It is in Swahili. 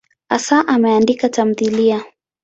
Hasa ameandika tamthiliya.